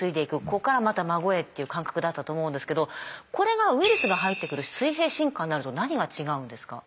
子からまた孫へという感覚だったと思うんですけどこれがウイルスが入ってくる水平進化になると何が違うんですか？